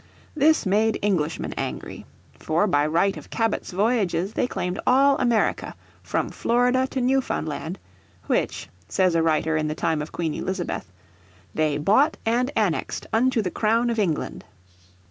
This made. Englishmen angry. For by right of Cabot's voyages they claimed all America. from Florida to Newfoundland, which, says a writer in the time of Queen Elizabeth, "they bought and annexed unto the crowne of England."